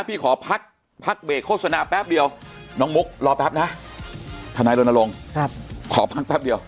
พี่ขอพักเบรกโฆษณาแป๊บเดียวน้องมุกรอแป๊บนะทนายรณรงค์ขอพักแป๊บเดียว